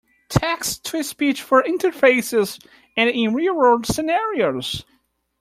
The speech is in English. Text to speech for interfaces and in real-world scenarios.